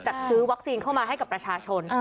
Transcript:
จัดซื้อวัคซีนเข้ามาให้กับประชาชน